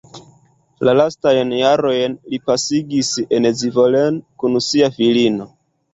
La lastajn jarojn li pasigis en Zvolen kun sia filino.